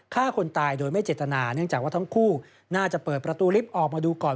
ฆ่าคนตายโดยไม่เจตนาเนื่องจากว่าทั้งคู่น่าจะเปิดประตูลิฟต์ออกมาดูก่อน